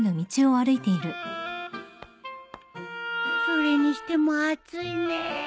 それにしても暑いね。